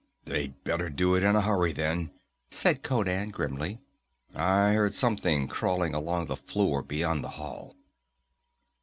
"They'd better do it in a hurry, then," said Conan grimly. "I hear something crawling along the floor beyond the hall."